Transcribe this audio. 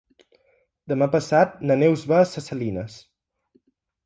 Demà passat na Neus va a Ses Salines.